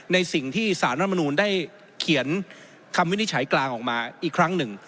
ในสิ่งที่สารรัฐมนูลได้เขียนคำวินิจฉัยกลางออกมาอีกครั้งหนึ่ง